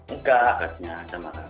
enggak artinya sama kakak